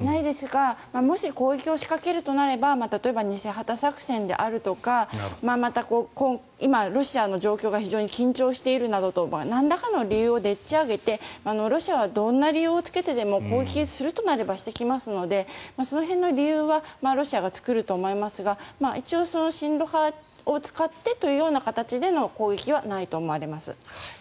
ないですがもし攻撃を仕掛けるとすれば例えば、偽旗作戦であるとか今、ロシアの状況が非常に緊張しているなどとなんらかの理由をでっち上げてロシアはでっち上げて攻撃するとなればしてきますのでその辺の理由はロシアが作ると思いますが一応、親ロ派を使ってというような形での攻撃はないと思われます。